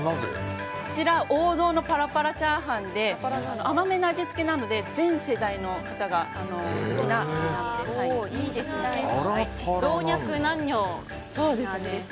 王道のパラパラチャーハンで甘めな味付けなので全世代の方が好きなチャーハンです。